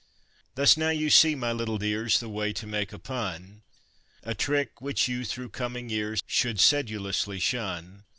Thus now you see, my little dears, the way to make a pun; A trick which you, through coming years, should sedulously shun.